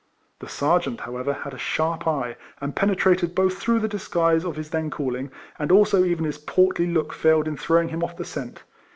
The sergeant, however, had a sharp eye, and penetrated both through the disguise of his then calling, and also even his portly look failed in throwing him off the scent.